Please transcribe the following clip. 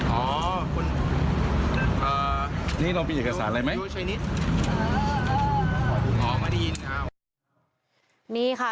เอ่อนี่เราไปอีกอักษรอะไรไหมอ๋อไม่ได้ยินค่ะนี่ค่ะ